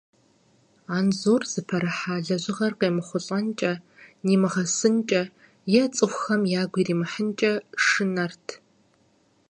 Анзор зыпэрыхьа лэжьыгъэр къемыхъулӀэнкӀэ, нимыщӀысынкӀэ е цӀыхухэм ягу иримыхьынкӀэ шынэрт.